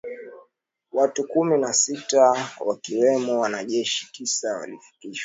Watu kumi na sita wakiwemo wanajeshi tisa walifikishwa mahakamani siku ya Jumatatu nchini Jamhuri ya Kidemokrasi ya Kongo.